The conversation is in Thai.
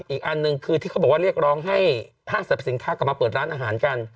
อีกอันหนึ่งคือที่เขาบอกว่าเรียกร้องให้ห้างสรรพสินค้ากลับมาเปิดร้านอาหารกัน